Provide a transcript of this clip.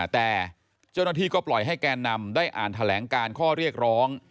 แต่เจ้าหน้าที่ก็ปล่อยให้แกนนำได้อ่านแถลงการข้อเรียกร้อง